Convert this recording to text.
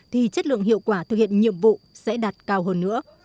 thì chất lượng hiệu quả thực hiện nhiệm vụ sẽ đạt cao hơn nữa